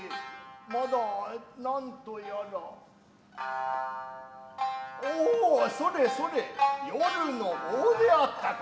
まだ何とやらオオそれそれ夜の棒であったか。